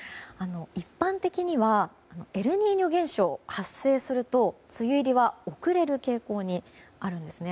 一般的にはエルニーニョ現象が発生すると梅雨入りは遅れる傾向にあるんですね。